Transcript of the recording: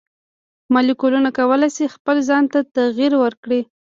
مالیکولونه کولی شي خپل ځای ته تغیر ورکړي.